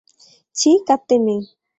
ছি কাঁদতে নেই।